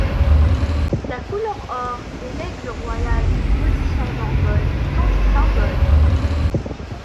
La couleur or et l’aigle royal en position d’envol sont ses symboles.